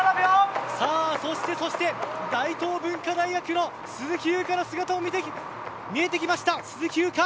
そして大東文化大学の鈴木優花の姿も見えてきました。